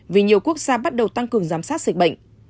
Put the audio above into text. vì nhiều quốc gia bắt đầu tăng cường giám sát dịch bệnh